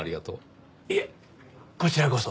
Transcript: いえこちらこそ。